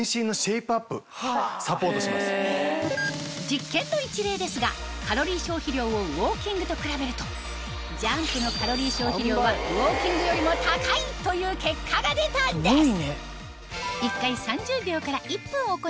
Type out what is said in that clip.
実験の一例ですがカロリー消費量をウオーキングと比べるとジャンプのカロリー消費量はウオーキングよりも高いという結果が出たんです！